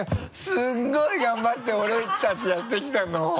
すごい頑張って俺たちやってきたの！